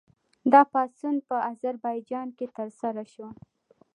دا پاڅون په اذربایجان کې ترسره شو.